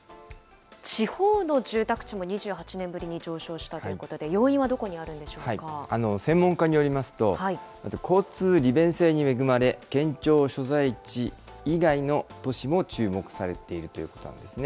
地方の住宅地も、２８年ぶりに上昇したということで、要因はどこにあるんでしょう専門家によりますと、まず交通利便性に恵まれ、県庁所在地以外の都市も注目されているということなんですね。